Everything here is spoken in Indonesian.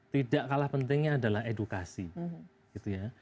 tidak kalah pentingnya adalah edukasi gitu ya